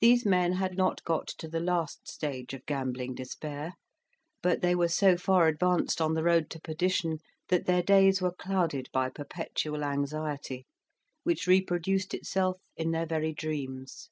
These men had not got to the last stage of gambling despair, but they were so far advanced on the road to perdition that their days were clouded by perpetual anxiety, which reproduced itself in their very dreams.